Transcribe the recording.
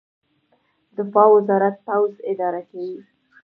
دفاع وزارت پوځ اداره کوي